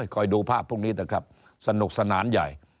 ใครดูภาพพวกนี้สนุกสนานใหญ่